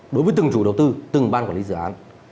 đối với từng chủ đầu tư từng ban quản lý dự án